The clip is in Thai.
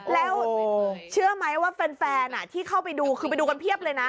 แล้วเชื่อไหมว่าแฟนที่เข้าไปดูคือไปดูกันเพียบเลยนะ